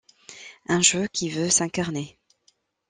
Un jeu qui veut s’incarner.